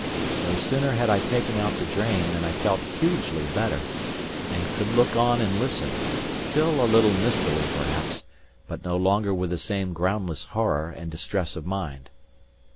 No sooner had I taken out the drain than I felt hugely better, and could look on and listen, still a little mistily perhaps, but no longer with the same groundless horror and distress of mind.